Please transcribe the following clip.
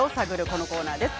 このコーナーです。